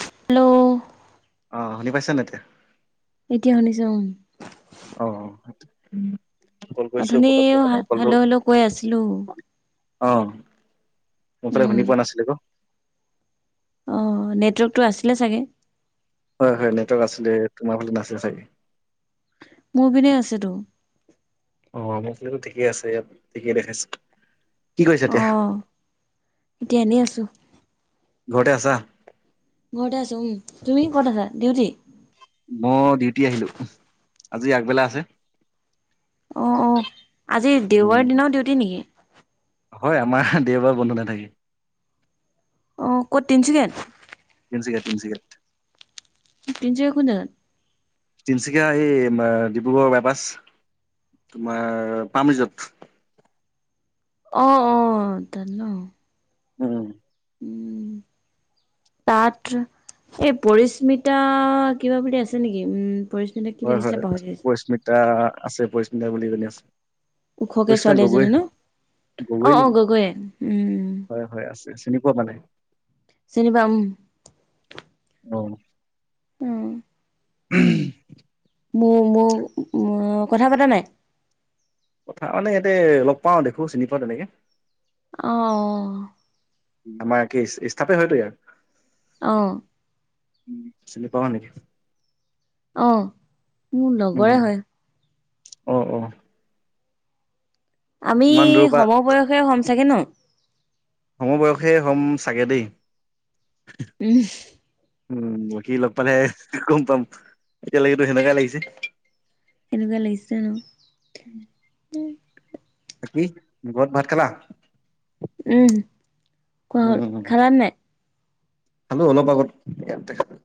Hello অ শুনি পাইছে নে এতিয়া? এতিয়া শুনিছো উ অ কল কৰিছিলো অথনি পতককে মানে কলটো হেল্ল' হেল্ল' কৈ আছিলো অ মোফালে উম শুনি পোৱা নাছিলে ক অ নেটৱৰ্কতটো আছিলে চাগে। হয় হয় নেটৱৰ্ক আছিলে তোমাৰ ফালে নাছিলে চাগে। মোৰ পিনে আছেতো। ঠিকে আছে ইয়াত ঠিকে দেখাইছে। কি কৰিছা অ এতিয়া এতিয়া এনেই আছো। ঘৰতে আছা? ঘৰতে আছো। উম, তুমি ক'ত আছা ডিউটি? মই ডিউটি আহিলো। আজি আগবেলা আছে। অ' অ' আজি উম, দেওবাৰৰ দিনা ডিউটি নেকি? হয়, আমাৰ দেওবাৰ বন্ধ নাথাকে। অ' ক'ত, তিনিচুকীয়াত? তিনিচুকীয়া তিনিচুকীয়াত। তিনিচুকীয়া কোন জেগাত? তিনিচুকীয়া এই ডিব্ৰুগড়ৰ বাইপাছ। তোমাৰ পামৰিজৰ্ট। অ' অ' তাত ন। উম উম তাত, সেই পৰিস্মিতা কিবা বুলি আছে নেকি? উম, পৰিস্মিতা কি হয়, লিখিছিলে হয় পাহৰি থাকিলো পৰিস্মিতা আছে, পৰিস্মিতা বুলি এজনী আছে। ওখকে পৰিস্মিতা ছোৱালী গগৈ, এজনী ন? গগৈ অহ অহ নেকি? গগৈয়ে, উম! হয়, হয়, আছে চিনি পোৱা মানে চিনি পাওঁ উম। উম! উম মোৰ, মোৰ উম কথা পতা নাই? কথা মানে ইয়াতে লগ পাওঁ দেখো চিনি পাওঁ তেনেকে। অহ আমাৰ একেই স্থাপে হয়তো ইয়াৰ। অ' চিনি পাৱ নেকি? অ' মোৰ লগৰে উম হয়। অ' অ' আমি ইমান দূৰৰ পৰা সমবয়সে হ'ম চাগে ন? সমবয়সে হম চাগে দেই। উম! উম, বাকী লগ পালে গম পাম এতিয়ালৈকেতো সেনেকুৱাই লাগিছে। এনেকুৱাই লাগিছে ন? উম বাকী ঘৰত ভাত খালা? উম, খোৱা হ'ল। উম খোৱা হ'লনে নাই? খালো অলপ আগত। ইয়াতে খালো।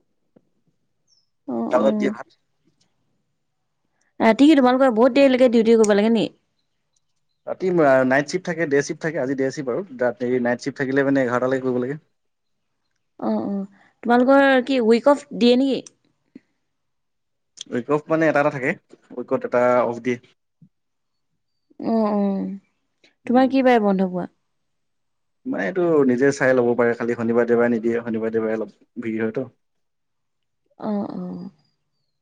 অ অ দাইলত সতিয়ে ভাত। ৰাতি কি তোমালোকৰ বহুত দেৰিলৈকে ডিউটি কৰিব লাগে নেকি? ৰাতি নাইট চ্বিফট থাকে, ডে চ্বিফট থাকে, আজি ডে চিফট আৰু ৰা নাইট চ্বিফট থাকিলে মান এঘাৰটালৈ কৰিব লাগে। [inaudible] অ' অ' তোমালোকৰ কি উইক অফ দিয়ে নেকি? উইক অফ মানে এটা এটা থাকে। উইকত এটা অফ দিয়ে। উম, উম। তোমাৰ কি বাৰে বন্ধ পোৱা? মানে এইটো নিজে চাই ল'ব পাৰে খালি শনিবাৰ দেওবাৰে নিদিয়ে শনিবাৰ দেওবাৰে অলপ ভিৰ হয়তো। [inaudible] অ' অ'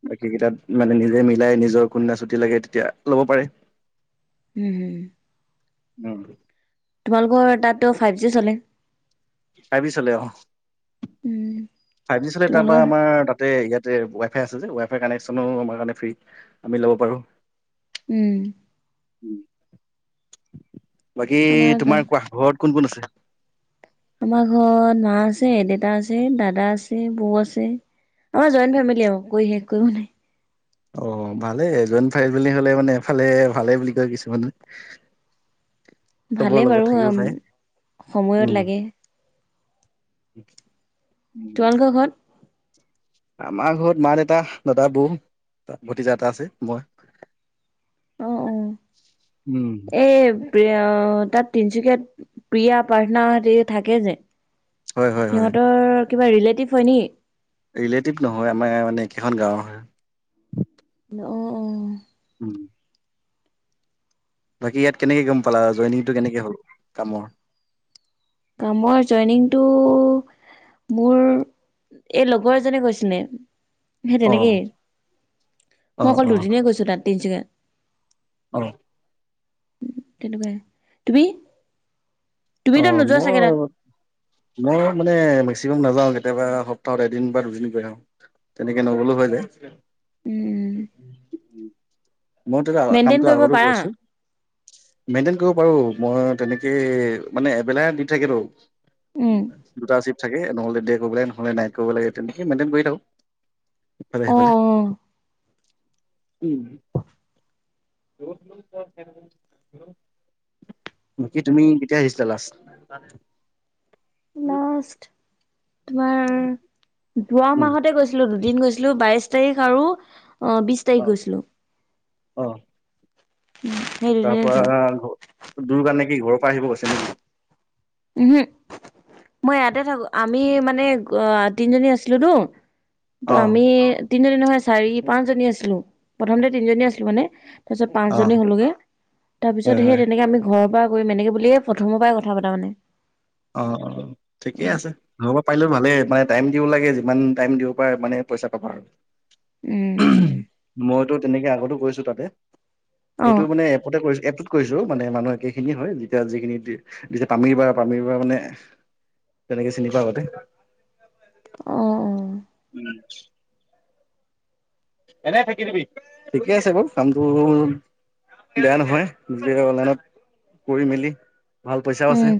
বাকী কেইটাত মানে নিজে মিলাই নিজৰ কোনো দিনা ছুটি লাগে তেতিয়া ল'ব পাৰে। উম উম। উম। তোমালোকৰ তাততো ফাইভ জি চলে? ফাইভ জি চলে অ। উম। ফাইভ জি চলে তাৰ তোমালোকৰ পৰা আমাৰ তাতে ইয়াতে ৱা ৱাই ফাই আছে যে, ৱাইফাই কানেকশ্যনো আমাৰ কাৰণে ফ্ৰী, আমি ল'ব পাৰোঁ। উম। বাকী আমাৰ গা তোমাৰ কোৱা ঘৰত কোন কোন আছে? আমাৰ ঘৰত মা আছে, দেউতা আছে, দাদা আছে, বৌ আছে। আমাৰ জইণ্ট ফেমিলি আও কৈ শেষ কৰিব নোৱাৰি। অ ভালে জইণ্ট ফেমেলি বুলি হলে মানে এফালে ভালে বুলি কয় কিছুমানে চবৰ ভালেই লগত বাৰু থাকিব পাৰে সময়ত উম। লাগে। উ তোমালোকৰ ঘৰত আমাৰ ঘৰত মা- দেউতা, দাদা- বৌ, ভতিজা এটা আছে মই অ অ, উম, এই প্ৰিয়া তাত তিনচুকীয়াত প্ৰিয়া, প্ৰাৰ্থনা হতি থাকে যে, হয় হয় হয় সিহঁতৰ কিবা ৰিলেটিভ হয় নেকি? ৰিলেটিভ নহয়, আমাৰ মানে একেখন গাঁৱৰ হয়। অ অ। উম [inaudible] বাকী ইয়াত কেনেকে গম পালা জইনিংটো কেনেকে হ'ল কামৰ? কামৰ জইনিংটো মোৰ এই লগৰ এজনে কৈছিলে সেই অ', তেনেকেই, মই অ', অকল অ'। দুদিনহে গৈছো তাত তিনচুকীয়াত। অ। উম তেনেকোৱাই, তুমি? অ তুমিতো নোযোৱা মোৰ চাগে তাত? মই মানে বেছিভাগ নাযাওঁ কেতিয়াবা সপ্তাহত এদিন বা দুদিন গৈ আহো, তেনেকে নগলেও হয় যে। উম। মই তেতিয়া মেইনটেইন কামটো কৰিব আগতো পাৰা? কৰিছো, মেইনটেইন কৰিব পাৰো মই তেনেকেই মানে এবেলাহে ডিউতি থাকেতো, উম দুটা চিফ থাক কে, নহ'লে দে কৰিব লাগে নহলে নাইট কৰিব লাগে, তেনেকে মেইনটেইন কৰি থাকো। ইফালে অ অ সিফালে উম। বাকি তুমি কেতিয়া আহিছিলা লাষ্ট? লাষ্ট তোমাৰ উ [inaudible] যোৱা মাহতে গৈছিলো দুদিন গৈছিলো বাইশ তাৰিখ আৰু অ বিশ তাৰিখ অ', গৈছিলো। অ'। সেই তাৰ দুদিনে যোৱা। পৰা দূৰ কাৰণে কি ঘৰৰ পৰা আহিব কৈছে নেকি? উমহু। মই ইয়াতে থাকো, আমি মানে গ তিনিজনী আছিলো তো ত অ', আমি তিনিজনী নহয় চাৰি- পাঁচজনী আছিলো, প্ৰথমতে তিনিজনী আছিলো মানে তাৰ পিছত অ', পাঁচজনী হলোগে, তাৰ পিছত হয়, সেই হয়। তেনেকা আমি ঘৰৰ পৰা কৰিম এনেকে বুলিয়েই প্ৰথমৰ পৰাই কথা পতা মানে। অ অ ঠিকে উম আছে, ঘৰৰ পৰা পাৰিলেও ভালেই মানে টাইম দিব লাগে, যিমান টাইম দিব পাৰা সিমানে পইচা পাবা আৰু উম ওমহ উম মইতো তেনেকে আগতো কৰিছো তাতে, অ অ এইটো মানে এপতে কৰিছো এপটোত কৰিছো মানে মানুহ একে খিনিয়ে হয় যেতিয়া যিখিনি যেতিয়া পামিৰ বা পামিৰ বা মানে তেনেকে চিনি পাওঁ আগতে। অ উম এনে থাকি দিবি ঠিকে আছে বাৰু কামটো বেয়া নহয় যে অনলাইনত কৰি মেলি ভাল পইচাও আছে উম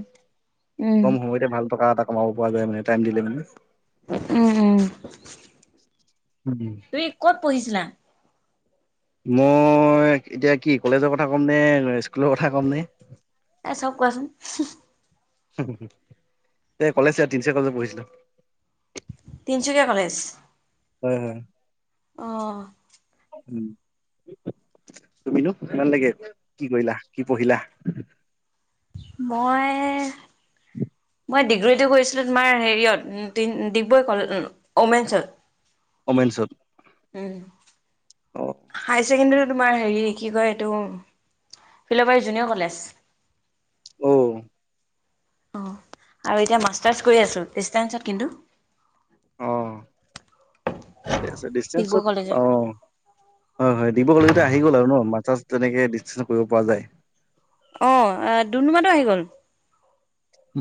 উম। কম সময়তে ভাল টকা এটা কমাব পৰা যায় মানে টাইম দিলে মানে উম উম উম, তুমি কত পঢ়িছিলা? মই এতিয়া কি কলেজৰ কথা ক'ম নে স্কুলৰ কথা ক'ম নে এ চব কোৱাচোন এ কলেজ তিনিচুকীয়া কলেজত পঢ়িছিলো। তিনিচুকীয়া কলেজ হয় হয়। অ। উম। তুমিনো কিমান লেকে কি কৰিলা কি পঢ়িলা? মই মই ডিগ্ৰীটো কৰিছিলোঁ তোমাৰ হেৰিয়ত ডিগবৈ কলে ওমেনছত উম অ', হাই ছেকেণ্ডাৰী তোমাৰ হেৰি কি কয় এইটো ফিলবাৰী জুনিয়ৰ কলেজ অ অ আৰু এতিয়া মাষ্টাৰছ কৰি আছোঁ ডিছটেঞ্চত কিন্তু অ ঠিক আছে ডিগবৈ ডিচেঞ্চত কলেজত। অ হয় হয় দিব গ'লেও আহি গ'ল আৰু ন মাষ্টাৰ্ছ তেনেকে ডিছটেঞ্চ কৰিব পৰা যায়। অ ডুমডুমাটো আহি গ'ল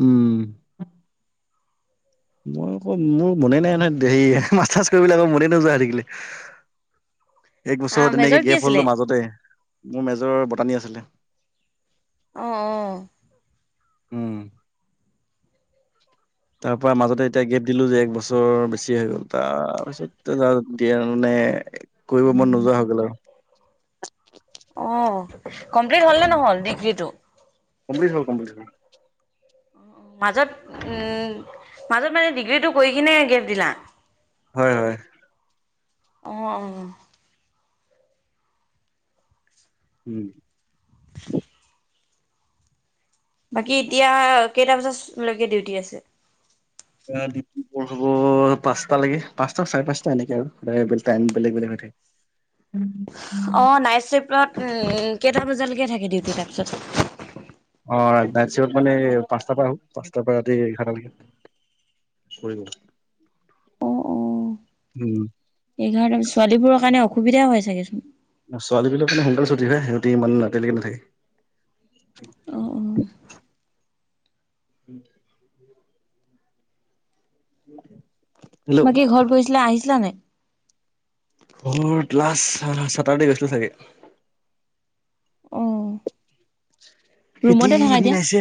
উম মই অকৌ মোৰ মনে নাই নহয় হেৰি মাষ্টাৰ্ছ কৰিব আকৌ মনে নোযোৱা হৈ থাকিলে [inaudible] এক বছৰ মেজৰ তেনেকৈ কি গেপ আছিলে? হ'লো মাজতে মোৰ মেজৰৰ বটানী আছিলে। অ অ উম তাৰ পৰা মাজতে এতিয়া গেপ দিলো যে এক বছৰ বেছি হৈ গ'ল তাৰ পিছত দিয়া নাই। এ কৰিব মন নোযোৱা হৈ গ'ল আৰু। অ কমপ্লিট হল ন নহল ডিগ্ৰীটো। কমপ্লিট হ'ল কমপ্লিট হ'ল মাজত উম মাজত মানে ডিগ্ৰীটো কৰি কিনে গেপ দিলা। হয় হয় অ অ উম বাকী এতিয়া কেইটা বজালৈকে ডিউটি আছে হব পাঁচটা লেকে পাঁচটা চাৰে পাঁচটা এনেকে আৰু টাইম বেলেগ বেলেগ হয়। উম অ নাইট চিফ্টত কেইটা বজালৈকে থাকে ডিউটি তাৰপিছত অ নাইট চিফ্টত মানে পাঁচটাৰ পৰা আহো পাঁচটাৰ পৰা ৰাতি এঘাৰটা লৈকে। উম এঘাৰটা ছোৱালীবোৰৰ কাৰণে অসুবিধা হয় চাগেচোন ছোৱালী বিলাক মানে সোনকালে ছুটি হয় হিহঁতি ইমান ৰাতিলৈকে নাথাকে। অ অ [unintelligible] উম [inaudible] হেল্ল' বাকী ঘৰত গৈছিলা আহিছিলা নাই? ঘৰ লাষ্ট চেতাৰ ডে গৈছিলো চাগে। অ। খেতি ৰুমতে থাকা এদিন এতিয়া আহিছে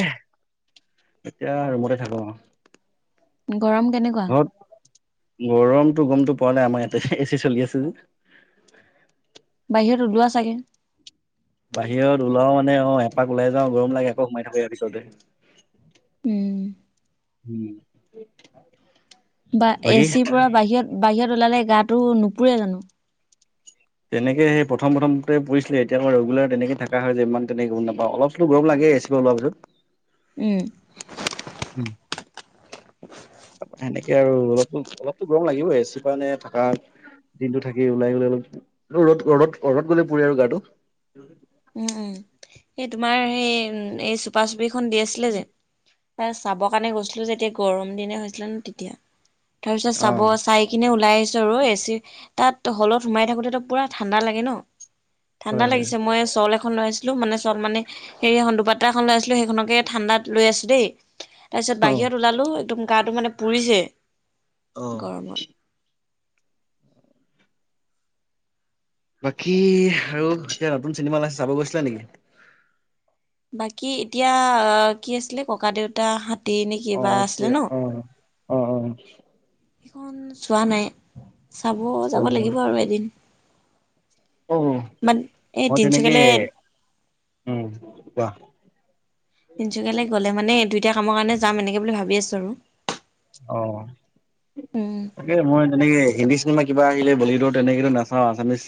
এতিয়া ৰুমতে থাকো আও। গৰম কেনেকুৱা [unintelligible] গৰমতটো গমটো পোৱা নাই আমাৰ ইয়াতে এ চি চলি আছে যে। বাহিৰত ওলোৱা চাগে। বাহিৰত ওলাও মানে অ এপাক ওলাই যাও গৰম লাগে আকৌ সোমাই থাকে ইয়াৰ ভিতৰতে। উম [inaudible] বা বাকী এচিৰ পৰা বাহিৰত বাহিৰত ওলালে গাটো নুপুৰে জানো? তেনেকে সেই প্ৰথম প্ৰথমতে পুইছিলে এতিয়া ক ৰেগুলাৰ তেনেকে থকা হয় যে ইমান তেনেকে গম নাপাওঁ অলপ চলোটো গৰম লাগে। এ চি পা ওলোৱা পিছত উম তাপা সেনেকে আৰু অলপ অলপতো গৰম লাগিবই এ চি [unintelligible] থাকা দিনটো থাকি ওলাই গলে অলপ ৰ'দ ৰ'দত ৰ'দত গ'লে পুৰে আৰু গাটো। উম উম এই তোমাৰ সেই এই চোপা চুপিখন দি আছিলে যে। চাব কাৰণে গৈছিলো যেতিয়া গৰম দিনে হৈছিলে ন তিতিয়া। তাৰপিছত অ চাব চাই কিনে ওলাই ওলাইছোঁ আৰু এ চি তাত হলত সোমাই থাকোতে তো পুৰা ঠাণ্ডা লাগে ন। ঠাণ্ডা হয় হয় লাগিছে মই চল এখন এখন লৈ আছিলো মানে চল মানে সেই এখন দুপাতা এখন লৈ আছিলো সেইখনকে ঠাণ্ডাত লৈ আছো দেই। তাৰপিছত অ বাহিৰত ওলালোঁ একদম গাটো মানে পুৰিছে অ গৰমত। বাকী আৰু যেতিয়া নতুন চিনেমা ওলাইছে চাব গৈছিলা নেকি? বাকী এতিয়া কি আছিলে ককা দেউতা হাত অ এতিয়া অ অ অহ অহ। সেইখন চোৱা নাই চাব যাব লাগিব আৰু এদিন। অহ অহ বাট এই মই তেনেকে তিনচুকীয়ালে উম কোৱা। তিনিচুকীয়ালৈ গ'লে মানে দুইটা কামৰ কাৰণে যাম এনেকে বুলি ভাবি আছো আৰু। অ উম তাকে মই তেনেকে হিন্দী চিনেমা কিবা আহিলে বলিউডৰ তেনেকোটো নাচাওঁ আছামিছ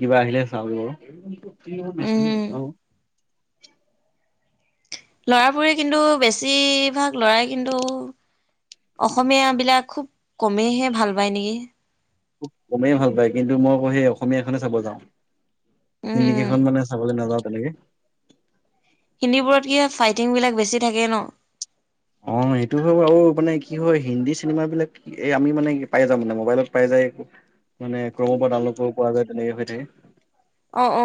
কিবা আহিলে চাও গে উম বাও। লৰাবোৰে কিন্তু বেছিভাগ লৰাই কিন্তু অসমীয় বিলাক খুব কমেইহে ভাল পায় নেকি? খুব কমেই ভাল পায় কিন্তু মই ক সেই অসমীয়াখনে চাব যাওঁ। উম উম হিন্দীকেইখন মানে চাবলৈ নাযাওঁ তেনেকে। হিন্দীবোৰত কি ফাইটিং বিলাক বেছি থাকে ন। অ। সেইটো হয় আৰু মানে কি হয় হিন্দী চিনেমা বিলাক আমি মানে পাই যাও মানে মোবাইলত পাই যাও। মানে ক্ৰমৰ পা ডাইনলোড কৰিব পৱা যায় তেনেকে হৈ থাকে। অ অ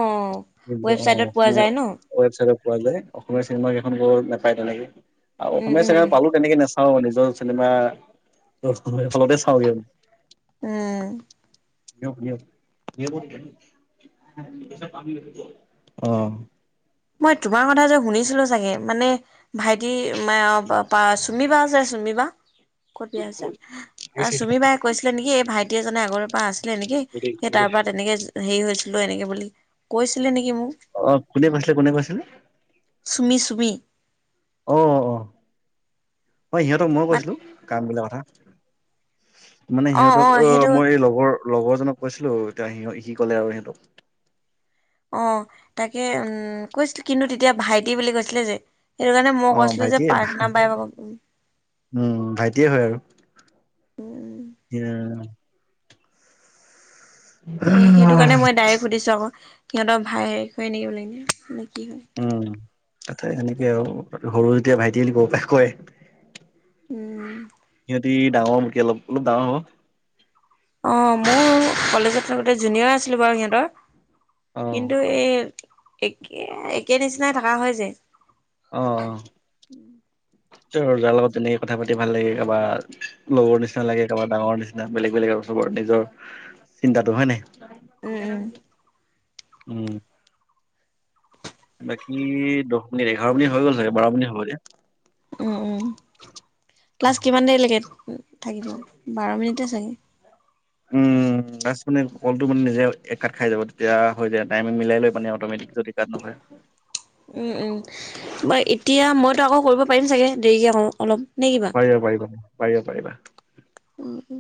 অ ৱেবচাইটত পোৱা অসমীয়া যায় ন ৱবছাইট পোৱা যায় অসমীয়া চিনেমা [unintelligible] নাপাই তেনেকে। আৰু উম অসমীয়া উম চিনিমা পালো তেনেকে নাচাও নিজৰ চিনেমা হলতে চাওঁগে মানে। উম। নীৰৱ নীৰৱ নীৰৱক দি দে। [unintelligible] অহ। মই তোমাৰ কথা যে শুনিছিলো চাগে মানে ভাইটি [unintelligible] চুমিবা যে চুমিবা ক'ত বিয়া হৈছে চুমী বায়ে কৈছিলে নেকি এই ভাইটি ভাইটিজনে আগৰ পৰা আছিলে নেকি সেই তাৰ পৰা তেনেকে হেৰি হৈছিলো এনেকে বুলি কৈছিলে নেকি? মোক অ কোনে কৈছিলে কোনে কৈছিলে? চুমি চুমি। অ অ অ সিহঁতক ময় মাত কৈছিলো কাম বিলাক কথা। মানে সিহঁতক অ মই এই লগৰ লগৰজনক কৈছিলো এতিয়া সি সি কলে আৰু সিহঁতক অহ তাকে উম কৈছিলো কিন্তু তেতিয়া ভাইটি বুলি কৈছিলে যে সেইটো কাৰণে মই অ', কৈছিলো যে ভাইটিয়ে পাৰ্থনা বাই ভাগ ব উ এ সেইটো কাৰণে মই ডাইৰেক সুধিছো আকৌ সিহতৰ ভাইক হয় নেকি বুলি কিনি কি হয়? ত সেনেকে আৰু সৰু যেতিয়া ভাইটি বুলি কব পাৰে কয় উম সিহঁতি ডাঙৰ মোতকৈ অলপ অলপ ডাঙৰ হ'ব। অ মোৰ কলেজত থাকোতে জুনিয়ৰ আছিলো বাৰু সিহঁতৰ অ', কিন্তু এই একে একে নিচিনাই থকা হয় যে। আহ। জাৰ লগত যেনেকে কথা পাতি ভাল লাগে কাৰোবা লগৰ নিচিনা লাগে কাৰোবা ডাঙৰ নিচিনা বেলেগ বেলেগ আৰু সব। নিজৰ চিন্তাটো হয় নাই। উম উম উম বাকী দহ মিনিট এঘাৰ মিনিট হৈ গ'ল চাগে বাৰ মিনিট হ'ব এতিয়া। উম উম ক্লাছ কিমান দেৰিলৈকে থাকিব বাৰ মিনিট চাগে। উম বাছ মানে কলটো মানে নিজে কাত খাই যাব তেতিয়া হৈ যাই টাইমত মিলাই লৈ পানে অটমেটিক যদি কাত নাখায় উম উম বা এতিয়া মইতো আকৌ কৰিব পাৰিম চাগে দেৰিকে আকৌ অলপ। নে কিবা? পাৰিবা পাৰিবা পাৰিবা পাৰিবা। উ উম